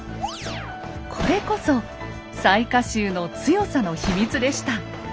これこそ雑賀衆の強さの秘密でした。